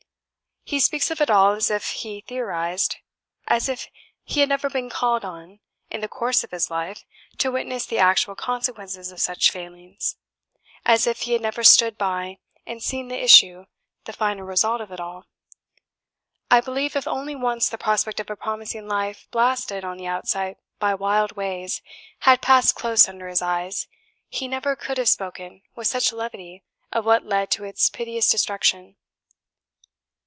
He speaks of it all as if he theorised; as if he had never been called on, in the course of his life, to witness the actual consequences of such failings; as if he had never stood by and seen the issue, the final result of it all. I believe, if only once the prospect of a promising life blasted on the outset by wild ways had passed close under his eyes, he never COULD have spoken with such levity of what led to its piteous destruction.